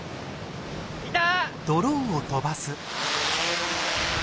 いた！